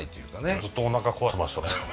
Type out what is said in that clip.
ずっとおなか壊してましたからね。